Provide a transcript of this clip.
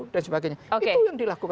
itu yang dilakukan oleh pemerintah